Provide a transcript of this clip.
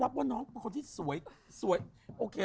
แฟนควับหนุนน่ารักมากเลย